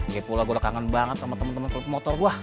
ya pula gue kangen banget sama temen temen pemotor gue